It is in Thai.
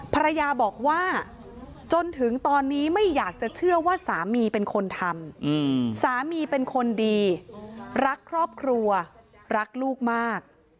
ภรรยาบอกว่าจนถึงตอนนี้ไม่อยากจะเชื่อว่าสามีเป็นคนทำสามีเป็นคนดีรักครอบครัวรักลูกมาก